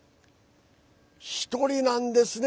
１人なんですね。